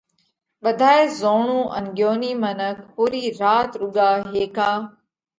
ٻڌائي زوڻُو ان ڳيونِي منک پُورِي رات رُوڳا هيڪا